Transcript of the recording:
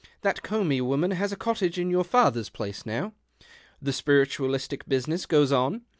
That Comby woman has a cottage in your father's phace now. The spiritualistic business goes on.